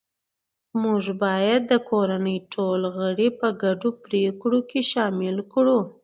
موږ باید د کورنۍ ټول غړي په ګډو پریکړو کې شامل کړو